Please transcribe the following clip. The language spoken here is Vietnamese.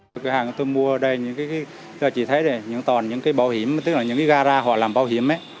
cửa hàng tôi mua ở đây tôi chỉ thấy toàn những bảo hiểm tức là những gara họ làm bảo hiểm